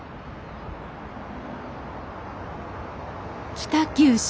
北九州。